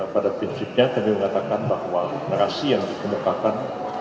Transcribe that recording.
pada prinsipnya kami mengatakan bahwa narasi yang dikemukakan